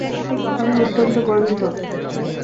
আমি অত্যন্ত গর্বিত।